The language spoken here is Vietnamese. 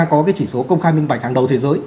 có cái chỉ số công khai minh bạch hàng đầu thế giới